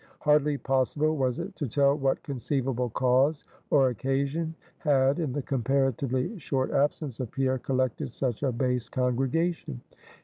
Hardly possible was it to tell what conceivable cause or occasion had, in the comparatively short absence of Pierre, collected such a base congregation.